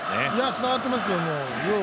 つながってますよ、もう。